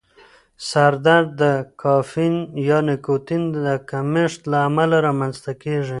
سر درد د کافین یا نیکوتین د کمښت له امله رامنځته کېږي.